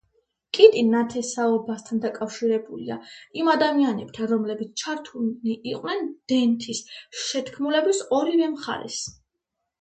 კიტი ნათესაობით დაკავშირებულია იმ ადამიანებთან, რომლებიც ჩართულნი იყვნენ დენთის შეთქმულების ორივე მხარეს.